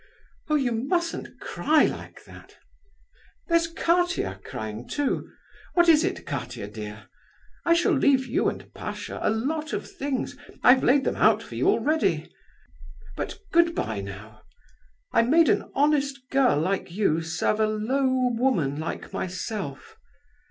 Oh! you mustn't cry like that! There's Katia crying, too. What is it, Katia, dear? I shall leave you and Pasha a lot of things, I've laid them out for you already; but good bye, now. I made an honest girl like you serve a low woman like myself.